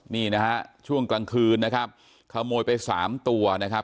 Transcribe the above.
นี่นะฮะช่วงกลางคืนนะครับขโมยไปสามตัวนะครับ